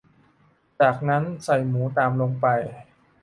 จากนั้นใส่หมูตามลงไป